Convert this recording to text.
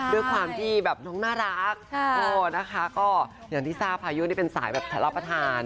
ด้วยความที่แบบน้องน่ารักนะคะก็อย่างที่ทราบพายุนี่เป็นสายแบบทรประธาน